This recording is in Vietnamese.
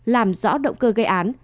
làm rõ động cơ gây án